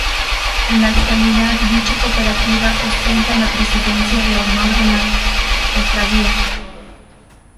En la actualidad, dicha Cooperativa ostenta la presidencia de honor de la cofradía.